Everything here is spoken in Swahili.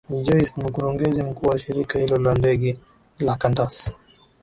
n joyce ni mkurugenzi mkuu wa shirika hilo la ndege la kantas